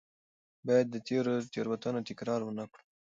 باید د تېرو تېروتنو تکرار ونه کړو.